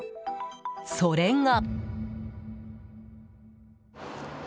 それが。